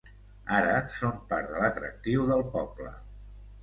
Ara són part de l'atractiu del poble.